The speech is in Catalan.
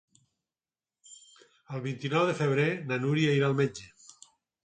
El vint-i-nou de febrer na Núria irà al metge.